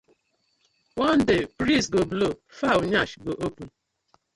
One day breeze go blow, fowl yansh go open: